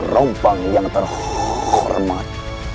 rencana yang terhormat